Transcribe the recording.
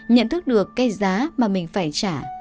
nhận thức được cái giá mà mình phải trả